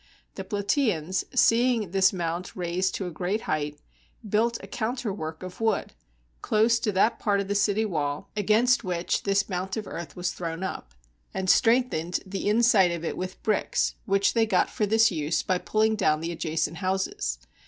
The Plataeans, seeing this mount raised to a great height, built a counterwork of wood, close to that part of the city wall against which GREECE this mount of earth was thrown up, and strengthened the inside of it with bricks, which they got for this use by pulhng down the adjacent houses.